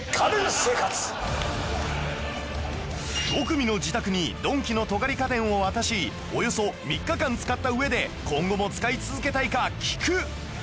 ５組の自宅にドンキの尖り家電を渡しおよそ３日間使った上で今後も使い続けたいか聞く